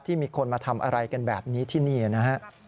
มีคนมาทำอะไรกันแบบนี้ที่นี่นะฮะ